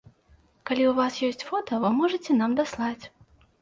Калі ў вас ёсць фота, вы можаце нам даслаць.